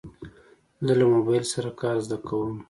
زه له موبایل سره کار زده کوم.